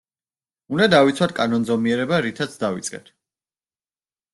უნდა დავიცვათ კანონზომიერება რითაც დავიწყეთ.